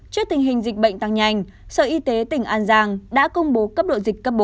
trước tình hình dịch bệnh tăng nhanh sở y tế tỉnh an giang đã công bố cấp độ dịch cấp bốn